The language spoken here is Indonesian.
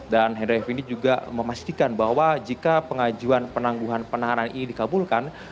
dan hendry fnd juga memastikan bahwa jika pengajuan penangguhan penahanan ini dikabulkan